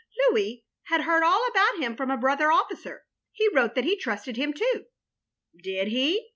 " Lotiis — ^had heard all about him from a brother oflficer. He wrote that he trusted him, too. " "Did he?